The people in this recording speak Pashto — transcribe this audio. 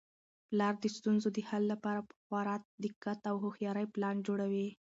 پلار د ستونزو د حل لپاره په خورا دقت او هوښیارۍ پلان جوړوي.